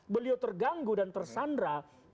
beliau terganggu dan tersandra